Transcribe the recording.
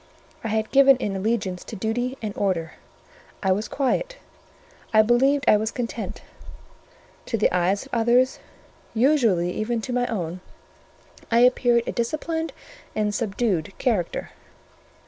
I had given in allegiance to duty and order; I was quiet; I believed I was content: to the eyes of others, usually even to my own, I appeared a disciplined and subdued character.